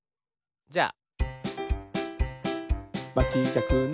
じゃあ。